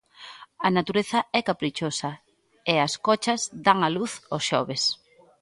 A natureza é caprichosa e as cochas dan a luz os xoves.